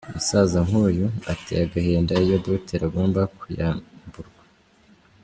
Umusaza nkuyu ateye agahinda iyo Dr agomba kuyamburwa.